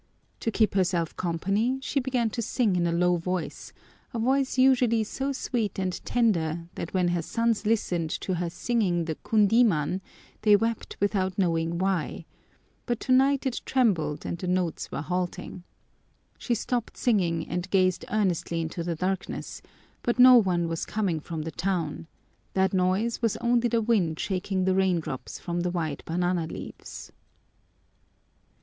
To keep herself company, she began to sing in a low voice, a voice usually so sweet and tender that when her sons listened to her singing the kundíman they wept without knowing why, but tonight it trembled and the notes were halting. She stopped singing and gazed earnestly into the darkness, but no one was coming from the town that noise was only the wind shaking the raindrops from the wide banana leaves.